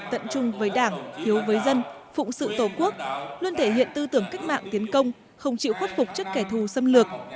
tận trung với đảng thiếu với dân phụng sự tổ quốc luôn thể hiện tư tưởng cách mạng tiến công không chịu khuất phục chất kẻ thù xâm lược